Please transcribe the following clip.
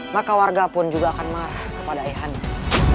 maka warga pun juga akan marah kepada ayah hande